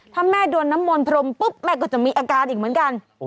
ถ้าแม่โดนน้ำมนพรมปุ๊บแม่ก็จะมีอาการอีกเหมือนกัน